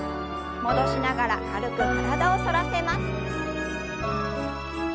戻しながら軽く体を反らせます。